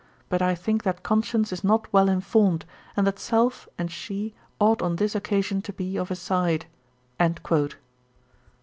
But I think that conscience is not well informed, and that self and she ought on this occasion to be of a side.'